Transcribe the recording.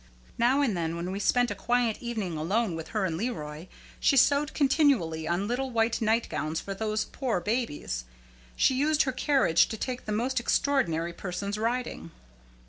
Now and then when we spent a quiet evening alone with her and Leroy, she sewed continually on little white night gowns for these poor babies. She used her carriage to take the most extraordinary persons riding.